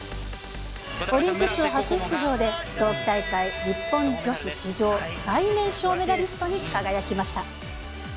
オリンピック初出場で、冬季大会日本女子史上最年少メダリストに輝きました。